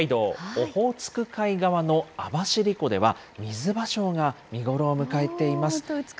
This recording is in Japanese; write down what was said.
オホーツク海側の網走湖では、ミズバショウが見頃を迎えています。